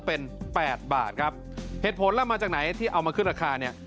เป็นแปดบาทครับเหตุผลแล้วมาจากไหนที่เอามาขึ้นราคาเนี่ย